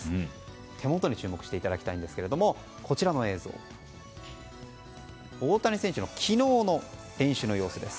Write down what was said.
手元に注目していただきたいんですけど大谷選手の昨日の練習の様子です。